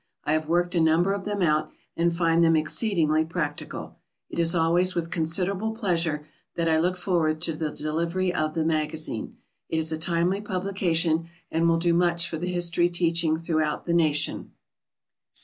I have worked a number of them out, and find them exceedingly practical. It is always with considerable pleasure that I look forward to the delivery of the MAGAZINE. It is a timely publication, and will do much for the history teaching throughout the nation.